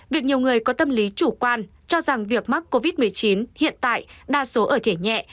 việc nhiều người có tâm lý chủ quan cho rằng việc mắc covid một mươi chín hiện tại đa số ở thể nhẹ